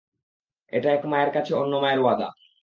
এটা এক মায়ের কাছে অন্য মায়ের ওয়াদা।